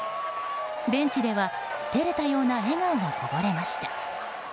ベンチでは照れたような笑顔がこぼれました。